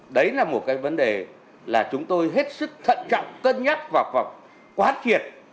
đấy là một cái vấn đề là chúng tôi hết sức thận trọng cân nhắc và quán triệt